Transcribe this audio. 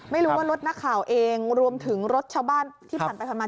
ไม่รู้ว่ารถนักข่าวเองรวมถึงรถชาวบ้านที่ผ่านไปผ่านมา